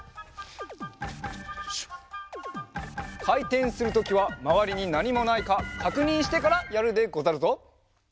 かいてんするときはまわりになにもないかかくにんしてからやるでござるぞ。